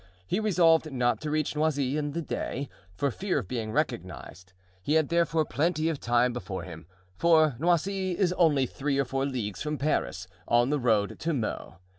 He resolved not to reach Noisy in the day, for fear of being recognized; he had therefore plenty of time before him, for Noisy is only three or four leagues from Paris, on the road to Meaux.